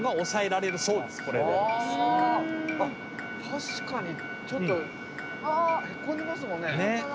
確かにちょっとへこんでますもんね。